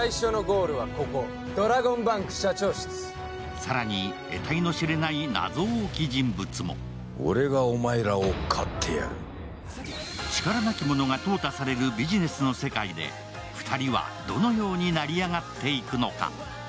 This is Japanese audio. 更に得たいのしれない謎多き人物も力なき者が淘汰されるビジネスの世界で２人はどのように成り上がっていくのか。